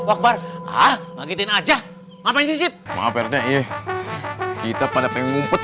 which part ke conscient aja ngapain sip mobernya lihat kita padahal pengumputan